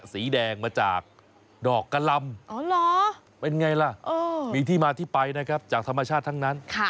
สีแดงมาจากดอกกะลัมเป็นไงแหละจากธรรมชาติทั้งนั้น